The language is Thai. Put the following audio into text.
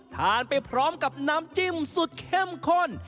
ไปพร้อมกับน้ำจิ้มสุดเข้มข้น